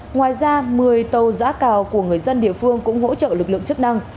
ngoài ra một mươi tàu giã cào của người dân địa phương cũng hỗ trợ lực lượng chức năng